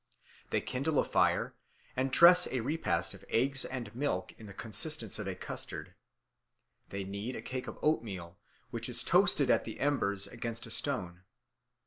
They kindle a fire, and dress a repast of eggs and milk in the consistence of a custard. They knead a cake of oatmeal, which is toasted at the embers against a stone.